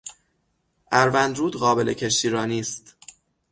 اروند رود قابل کشتیرانی است.